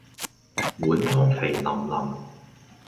碗湯肥淋淋